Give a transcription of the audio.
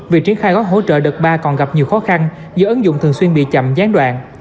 việc triển khai gói hỗ trợ đợt ba còn gặp nhiều khó khăn do ứng dụng thường xuyên bị chậm gián đoạn